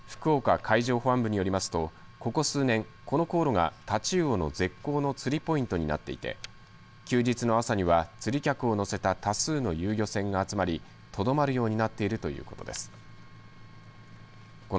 福岡海上保安部によりますとここ数年、この航路が太刀魚の絶好の釣りポイントになっていて休日の朝には釣り客を乗せた多数の遊漁船が集まりとどまるようになっているということです。